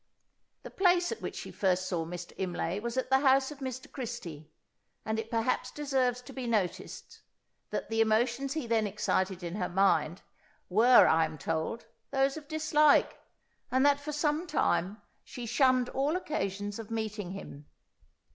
The place at which she first saw Mr. Imlay was at the house of Mr. Christie; and it perhaps deserves to be noticed, that the emotions he then excited in her mind, were, I am told, those of dislike, and that, for some time, she shunned all occasions of meeting him.